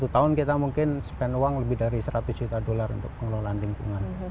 satu tahun kita mungkin spend uang lebih dari seratus juta dolar untuk pengelolaan lingkungan